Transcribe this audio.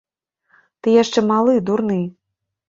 Ты яшчэ малы, дурны.